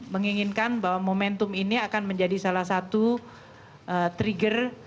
menginginkan bahwa momentum ini akan menjadi salah satu trigger